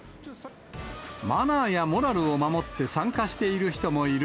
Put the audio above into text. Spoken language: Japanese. マナーやモラルを守って参加している人もいる